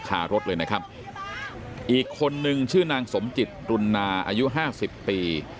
ขารถเลยนะครับอีกคนนึงชื่อนางสมจิตรุณาอายุห้าสิบปี